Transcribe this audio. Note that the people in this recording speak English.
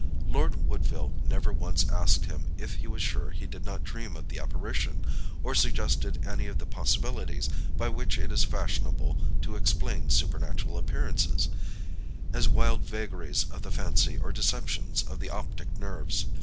Lord Woodville never once asked him if he was sure he did not dream of the apparition, or suggested any of the possibilities by which it is fashionable to explain supernatural appearances as wild vagaries of the fancy or deceptions of the optic nerves.